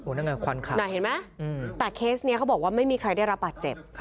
เห็นไหมแต่เคสนี้เค้าบอกว่าไม่มีใครได้รับปากเจ็บ